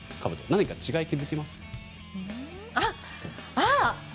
何か違いに気づきますか？